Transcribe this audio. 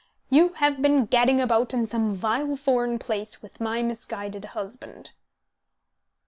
You have been gadding about in some vile foreign place with my misguided husband."